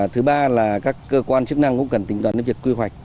thứ ba là các cơ quan chức năng cũng cần tính toán những việc quy hoạch